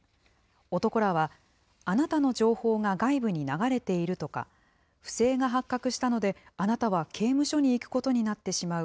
男らは、あなたの情報が外部に流れているとか、不正が発覚したので、あなたは刑務所に行くことになってしまう。